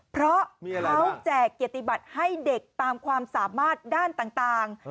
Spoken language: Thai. เพราะเขาแจกเกียรติบัติให้เด็กตามความสามารถด้านต่าง